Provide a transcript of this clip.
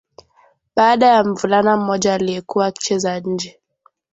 baada ya mvulana mmoja aliyekuwa akicheza nje